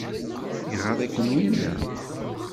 Iɣaḍ-iken winna?